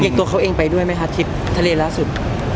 ตัวเขาเองไปด้วยไหมคะทริปทะเลล่าสุด